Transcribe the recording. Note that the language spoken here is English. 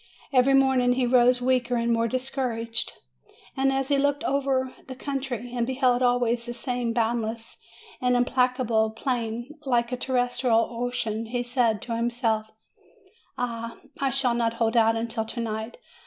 Every morning he rose weaker and more discouraged, and as he looked out over the country, and beheld always the same boundless and implacable plain, like a terrestrial ocean, he said to himself: "Ah, I shall not hold out until to night!